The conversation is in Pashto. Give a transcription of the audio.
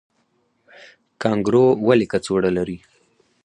کانګارو ولې کڅوړه لري؟